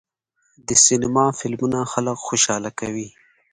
د سینما فلمونه خلک خوشحاله کوي.